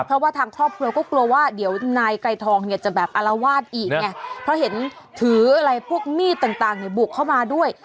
เพราะว่าทางครอบครัวก็กลัวว่าเดี๋ยวนายไกรทองเนี่ยจะแบบอารวาสอีกไงเพราะเห็นถืออะไรพวกมีดต่างเนี่ยบุกเข้ามาด้วย